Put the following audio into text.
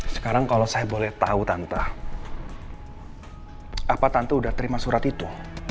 sekarang kalau saya boleh tahu tanta apa tante udah terima surat itu